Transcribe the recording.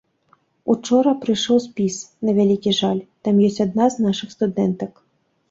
Учора прыйшоў спіс, на вялікі жаль, там ёсць адна з нашых студэнтак.